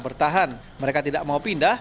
bertahan mereka tidak mau pindah